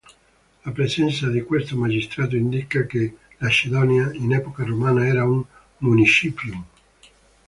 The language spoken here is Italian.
La presenza di questo magistrato indica che Lacedonia, in epoca romana, era un "municipium".